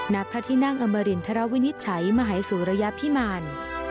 ณพระที่นั่งอมรินทรวินิจฉัยมหายสุรยพิมาร